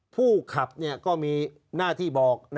ผู้ขับก็มีหน้าที่บอก